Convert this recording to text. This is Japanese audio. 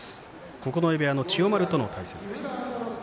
九重部屋の千代丸との対戦です。